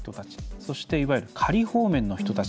そしていわゆる仮放免の人たち。